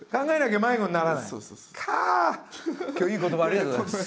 今日いい言葉ありがとうございます。